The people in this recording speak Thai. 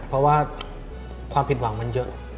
เพราะว่าความผิดหวังมันเยอะ